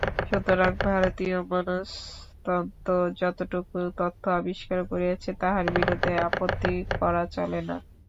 সুতরাং ভারতীয় মনস্তত্ত্ব যতটুকু তথ্য আবিষ্কার করিয়াছে, তাহার বিরুদ্ধে আপত্তি করা চলে না।